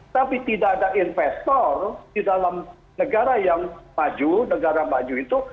tapi tidak ada investor di dalam negara yang maju negara maju itu